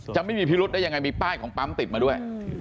จะไม่มีพิรุษได้ยังไงมีป้ายของปั๊มติดมาด้วย